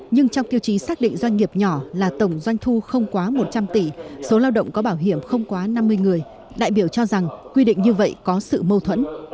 nhưng trong tiêu chí xác định doanh nghiệp nhỏ là tổng doanh thu không quá một trăm linh tỷ số lao động có bảo hiểm không quá năm mươi người đại biểu cho rằng quy định như vậy có sự mâu thuẫn